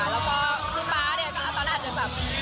แล้วก็ซึ่งป๊าเนี่ยก็ตอนแรกจะแบบ